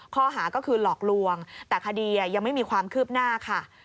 ข้อหาก็คือหลอกลวงแต่คดียังไม่มีความคืบหน้าค่ะ